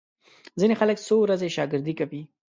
ځینې خلک څو ورځې شاګردي کوي.